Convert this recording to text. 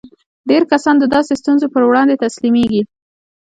ډېر کسان د داسې ستونزو پر وړاندې تسليمېږي.